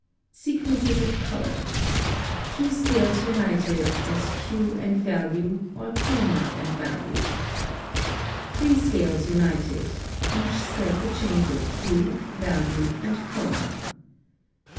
Sequences of color. Two scales united, as hue and value, or chroma and value. Three scales united, each step a change of hue, value, and chroma.